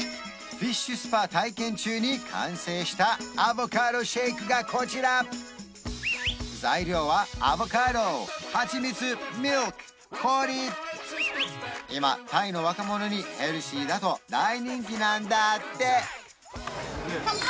フィッシュスパ体験中に完成したアボカドシェイクがこちら材料は今タイの若者にヘルシーだと大人気なんだって乾杯！